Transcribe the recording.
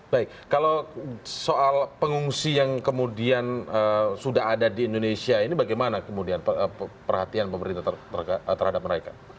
baik kalau soal pengungsi yang kemudian sudah ada di indonesia ini bagaimana kemudian perhatian pemerintah terhadap mereka